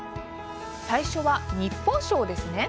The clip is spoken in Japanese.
最初は日本賞ですね。